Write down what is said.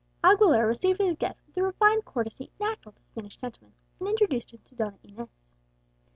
Aguilera received his guest with the refined courtesy natural to Spanish gentlemen, and introduced him to Donna Inez.